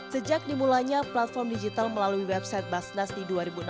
sejak dimulainya platform digital melalui website basnas di dua ribu enam belas